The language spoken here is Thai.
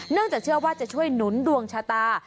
จากเชื่อว่าจะช่วยหนุนดวงชะตา